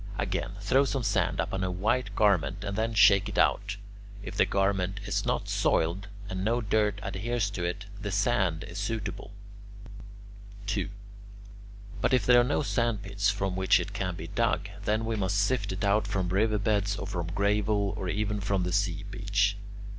Again: throw some sand upon a white garment and then shake it out; if the garment is not soiled and no dirt adheres to it, the sand is suitable. 2. But if there are no sandpits from which it can be dug, then we must sift it out from river beds or from gravel or even from the sea beach.